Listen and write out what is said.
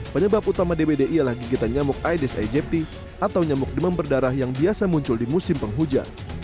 penyebab utama dbd ialah gigitan nyamuk aedes aegypti atau nyamuk demam berdarah yang biasa muncul di musim penghujan